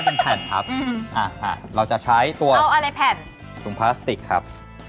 อันนี้ละลายบังคับ